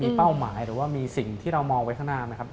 เป้าหมายหรือว่ามีสิ่งที่เรามองไว้ข้างหน้าไหมครับ